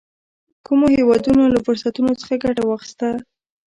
کومو هېوادونو له فرصتونو څخه ګټه واخیسته.